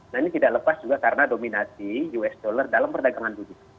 nah ini tidak lepas juga karena dominasi us dollar dalam perdagangan dunia